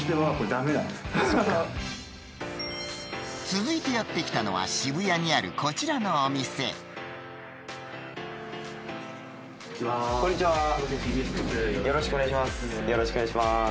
続いてやってきたのは渋谷にあるこちらのお店よろしくお願いします